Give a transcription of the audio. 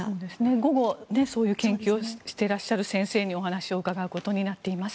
午後、そういう研究をしていらっしゃる先生にお話を伺うことになっています。